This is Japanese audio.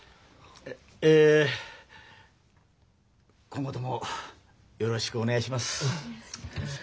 今後ともよろしくお願いします。